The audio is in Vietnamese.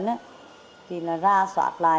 xã thì ra soát lại